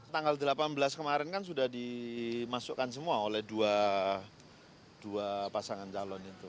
tanggal delapan belas kemarin kan sudah dimasukkan semua oleh dua pasangan calon itu